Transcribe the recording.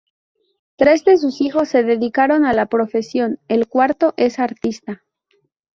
Tres de su hijos se dedicaron a la profesión, el cuarto es artista.